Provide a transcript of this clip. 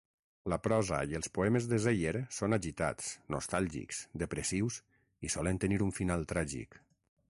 La prosa i els poemes de Zeyer són agitats, nostàlgics, depressius i solen tenir un final tràgic.